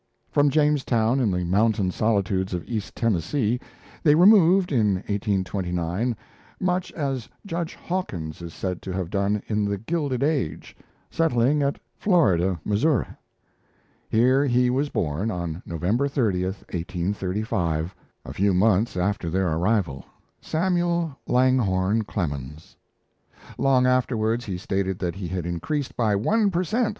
From Jamestown, in the mountain solitudes of East Tennessee, they removed in 1829, much as Judge Hawkins is said to have done in 'The Gilded Age', settling at Florida, Missouri. Here was born, on November 30, 1835, a few months after their arrival, Samuel Langhorne Clemens. Long afterwards he stated that he had increased by one per cent.